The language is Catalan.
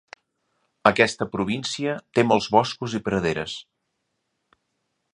Aquesta província té molts boscos i praderes.